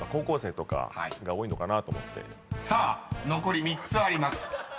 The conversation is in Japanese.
［さあ残り３つあります］